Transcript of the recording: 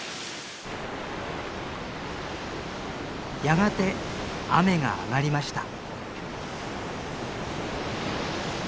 やがて雨が上がりました。